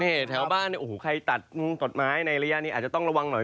นี่แถวบ้านใครตัดตัดไม้ในระยะนี้อาจจะต้องระวังหน่อย